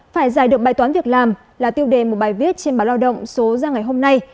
phải giải được bài toán việc làm là tiêu đề một bài viết trên báo lao động số ra ngày hôm nay